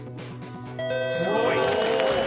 すごい。